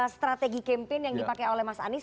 strategi campaign yang dipakai oleh mas anies